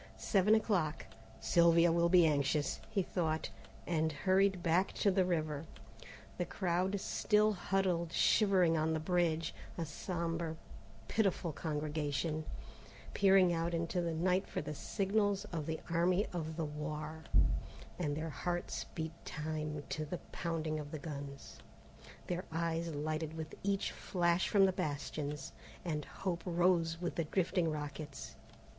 Seven o'clock. "Sylvia will be anxious," he thought, and hurried back to the river. The crowd still huddled shivering on the bridge, a sombre pitiful congregation, peering out into the night for the signals of the Army of the Loire: and their hearts beat time to the pounding of the guns, their eyes lighted with each flash from the bastions, and hope rose with the drifting rockets.